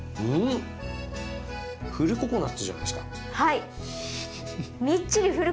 フルココナツじゃないですか。